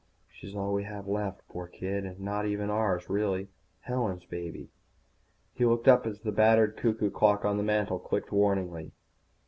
She's all we have left, poor kid, and not even ours, really. Helen's baby. He looked up as the battered cuckoo clock on the mantel clicked warningly.